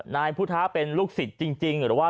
นายพุทธะเป็นลูกศิษย์จริงหรือว่า